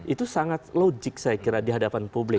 itu sangat logik saya kira dihadapan publik